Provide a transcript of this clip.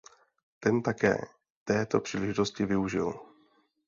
Ten také této příležitosti využil.